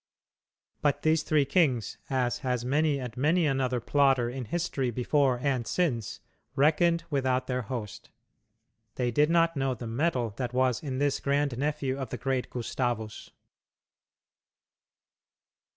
But these three kings as has many and many another plotter in history before and since reckoned without their host. They did not know the mettle that was in this grandnephew of the great Gustavus.